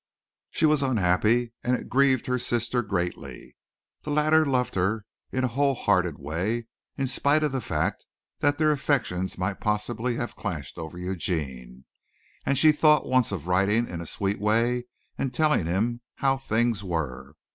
She was unhappy and it grieved her sister greatly. The latter loved her in a whole hearted way, in spite of the fact that their affections might possibly have clashed over Eugene, and she thought once of writing in a sweet way and telling him how things were.